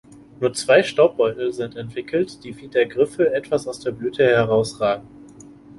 Nur zwei Staubbeutel sind entwickelt, die wie der Griffel etwas aus der Blüte herausragen.